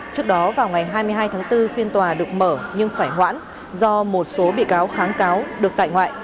trước đó vào ngày hai mươi hai tháng bốn phiên tòa được mở nhưng phải hoãn do một số bị cáo kháng cáo được tại ngoại